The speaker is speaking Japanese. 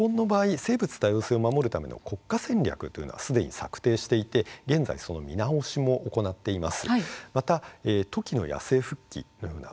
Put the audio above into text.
生物多様性を守るための国家戦略はすでに策定していて現在その見直しも行っています。